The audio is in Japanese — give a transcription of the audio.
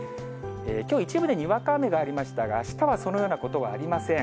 きょう一部でにわか雨がありましたが、あしたはそのようなことはありません。